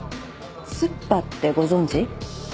「すっぱ」ってご存じ？